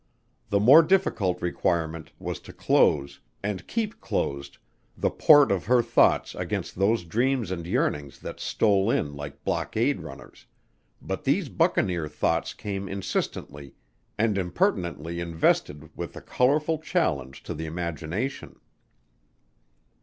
The more difficult requirement was to close, and keep closed the port of her thoughts against those dreams and yearnings that stole in like blockade runners, but these buccaneer thoughts came insistently and impertinently invested with a colorful challenge to the imagination.